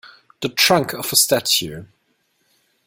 The trunk of a statue.